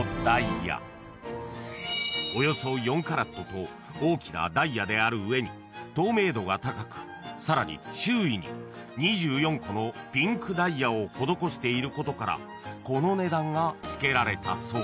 ［およそ４カラットと大きなダイヤである上に透明度が高くさらに周囲に２４個のピンクダイヤを施していることからこの値段が付けられたそうです］